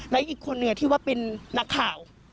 และอีกคนหนึ่งที่ว่าเป็นนักข่าว